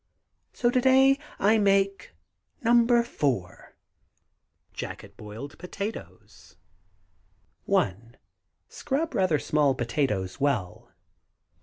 So to day I make NO. 4. JACKET BOILED POTATOES. 1. Scrub rather small potatoes well.